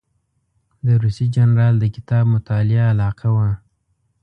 د روسي جنرال د کتاب مطالعه علاقه وه.